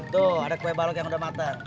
tuh ada kue balok yang udah matang